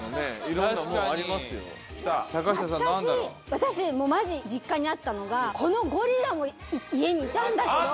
私もうマジ実家にあったのがこのゴリラも家にいたんだけど。